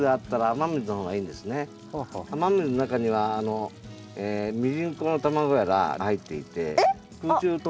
雨水の中にはミジンコの卵やらが入っていて。